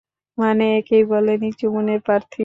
মানে, একেই বলে নিচু মনের প্রার্থী।